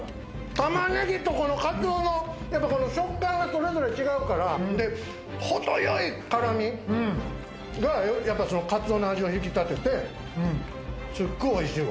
玉ねぎとカツオの食感がそれぞれ違うから、程よい辛味が、カツオの味を引き立てて、すっごいおいしいわ！